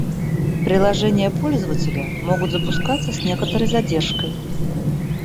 Приложения пользователя могут запускаться с некоторой задержкой